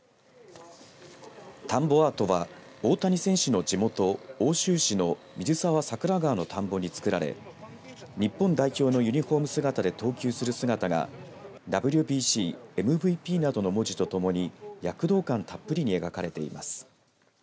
田んぼアートは大谷選手の地元奥州市の水沢佐倉河の田んぼに作られ日本代表のユニホーム姿で投球する姿がＷＢＣ、ＭＶＰなどの文字とともに躍動感たっぷりに描かれています。